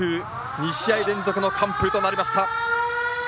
２試合連続の完封となりました。